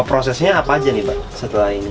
apa prosesnya setelah ini